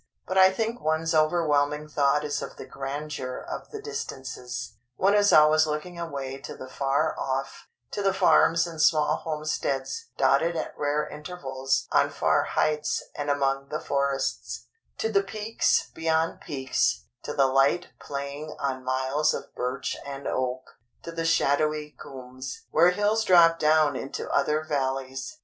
But I think one's overwhelming thought is of the grandeur of the distances. One is always looking away to the far off, to the farms and small homesteads dotted at rare intervals on far heights and among the forests; to the peaks beyond peaks; to the light playing on miles of birch and oak; to the shadowy coombes where hills drop down into other valleys.